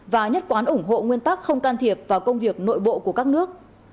và nhất quán ủng hộ nguyên tắc không can thiệp vào công việc nội bộ của các nước